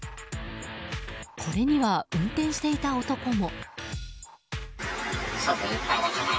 これには、運転していた男も。